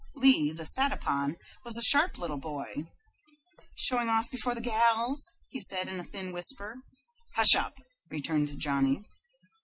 Lee, the sat upon, was a sharp little boy. "Showing off before the gals!" he said, in a thin whisper. "Hush up!" returned Johnny.